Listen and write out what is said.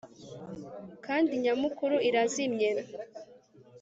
kanda nyamukuru irazimye